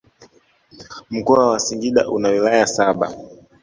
Mkoa wa singida una wilaya saba